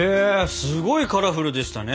すごいカラフルでしたね。